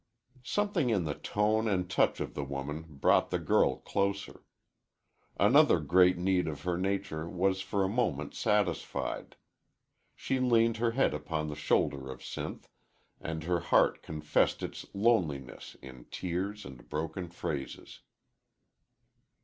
Something in the tone and touch of the woman brought the girl closer. Another great need of her nature was for a moment satisfied. She leaned her head upon the shoulder of Sinth, and her heart confessed its loneliness in tears and broken phrases.